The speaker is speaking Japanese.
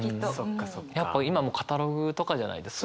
やっぱ今もうカタログとかじゃないですか。